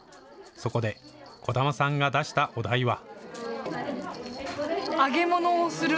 そこで児玉さんが出したお題は。